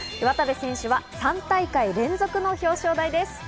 渡部選手は３大会連続の表彰台です。